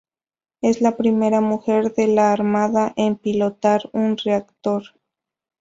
Es la primera mujer de la Armada en pilotar un reactor.